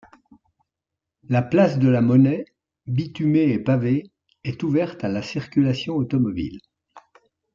La place de la Monnaie, bitumée et pavée, est ouverte à la circulation automobile.